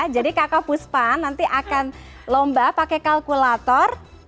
jadi kakak puspa nanti akan lomba pakai kalkulator